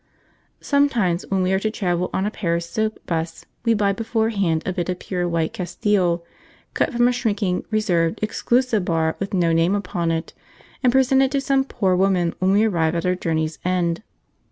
Sometimes when we are to travel on a Pears' Soap 'bus we buy beforehand a bit of pure white Castile, cut from a shrinking, reserved, exclusive bar with no name upon it, and present it to some poor woman when we arrive at our journey's end.